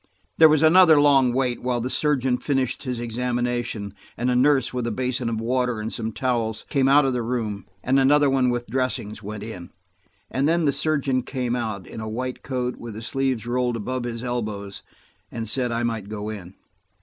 There was another long wait while the surgeon finished his examination, and a nurse with a basin of water and some towels came out of the room, and another one with dressings went in. And then the surgeon came out, in a white coat with the sleeves rolled above his elbows, and said I might go in.